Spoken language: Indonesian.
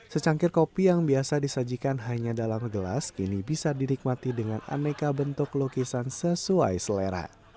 secangkir kopi yang biasa disajikan hanya dalam gelas kini bisa dinikmati dengan aneka bentuk lukisan sesuai selera